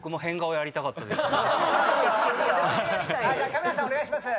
カメラさんお願いします。